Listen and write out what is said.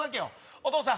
お義父さん